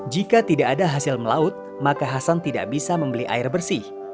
jika tidak ada hasil melaut maka hasan tidak bisa membeli air bersih